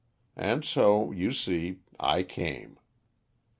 And so, you see, I came."